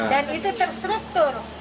dan itu tersruktur